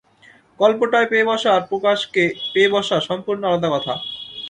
গল্পটায় পেয়ে-বসা আর প্রকাশকে পেয়ে-বসা সম্পূর্ণ আলাদা কথা।